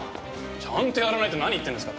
ちゃんとやらないって何言ってるんですか？